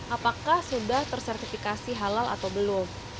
apakah sudah tersertifikasi halal atau belum